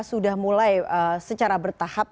sudah mulai secara bertahap